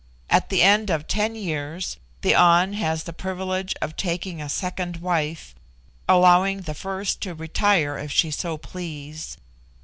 At the end of ten years the An has the privilege of taking a second wife, allowing the first to retire if she so please.